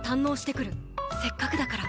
せっかくだから。